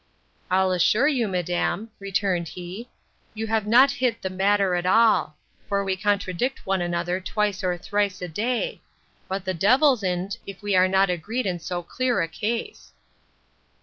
I'll assure you, madam, returned he, you have not hit the matter at all; for we contradict one another twice or thrice a day. But the devil's in't if we are not agreed in so clear a case!